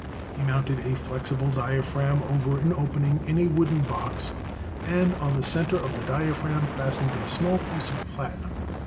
He mounted a flexible diaphragm over an opening in a wooden box, and on the center of the diaphragm fastened a small piece of platinum.